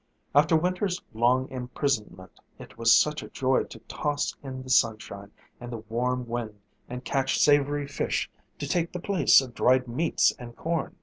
After winter's long imprisonment, it was such joy to toss in the sunshine and the warm wind and catch savory fish to take the place of dried meats and corn!